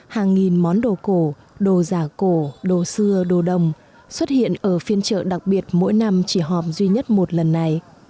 hàng nghìn món đồ cổ đồ giả cổ đồ xưa đồ đồng xuất hiện ở phiên chợ đặc biệt mỗi năm chỉ hòm duy nhất một lần này